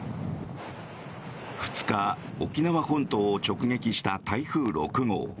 ２日沖縄本島を直撃した台風６号。